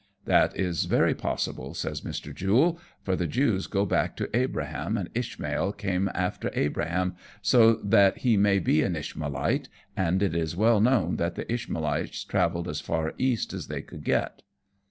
" That is very possible," says Mr. Jule, " for the Jews go back to Abraham, and Ishmael came after Abraham, so that he may be an Ishmaelite, and it is well known that the Ishmaelites travelled as far East as they could get."